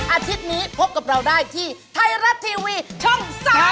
อาทิตย์นี้พบกับเราได้ที่ไทยรัฐทีวีช่อง๓๒